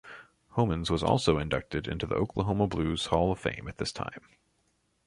Homans was also inducted into the Oklahoma Blues Hall of Fame at this time.